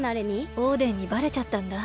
オーデンにバレちゃったんだ。